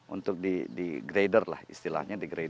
untuk di grader lah istilahnya di grader lho